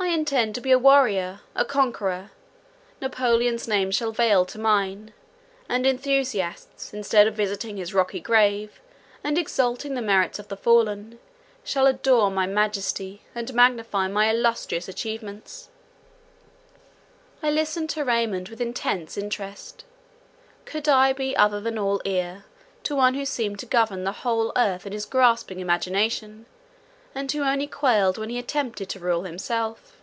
I intend to be a warrior, a conqueror; Napoleon's name shall vail to mine; and enthusiasts, instead of visiting his rocky grave, and exalting the merits of the fallen, shall adore my majesty, and magnify my illustrious achievements." I listened to Raymond with intense interest. Could I be other than all ear, to one who seemed to govern the whole earth in his grasping imagination, and who only quailed when he attempted to rule himself.